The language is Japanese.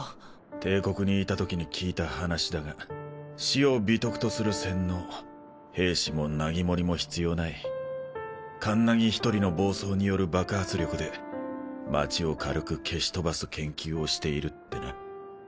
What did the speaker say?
帝国にいたときに聞いた話だが死を美徳とする洗脳兵士もナギモリも必要ないカンナギ１人の暴走による爆発力で街を軽く消し飛ばす研究をしているってな。